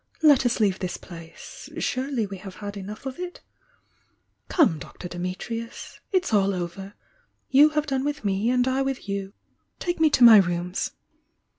Let us leave this place, — surely we have had enough of it? Come, Dr. Dimitrius! — it's all over! You have done with me and I with you. Take mc to my rooms!"